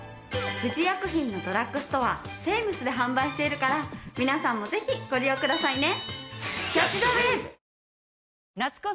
富士薬品のドラッグストアセイムスで販売しているから皆さんもぜひご利用くださいね！